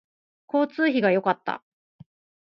交通費が良かった